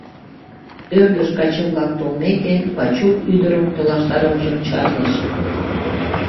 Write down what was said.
Ӧрдыж каче-влак толмеке, Вачук ӱдырым толаштарымыжым чарныш.